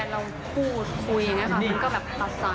แล้วก็แบบมาพูดแบบว่า